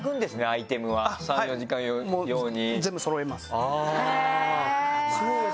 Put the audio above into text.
アイテムは３４時間用に。